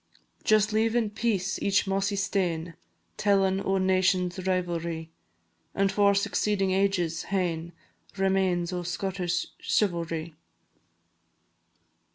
Just leave in peace each mossy stane Tellin' o' nations' rivalry, An' for succeeding ages hain Remains o' Scottish chivalry.